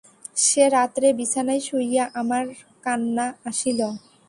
সে রাত্রে বিছানায় শুইয়া আমার কান্না আসিল।